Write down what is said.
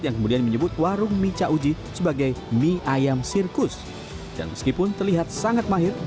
yang kemudian menyebut warung mie cauji sebagai mie ayam sirkus dan meskipun terlihat sangat mahir